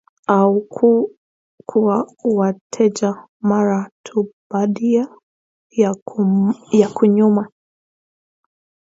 au kwa wateja mara tu baada ya kuvunwa.